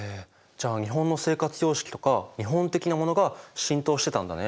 じゃあ日本の生活様式とか日本的なものが浸透してたんだね。